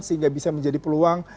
sehingga bisa menjadi peluang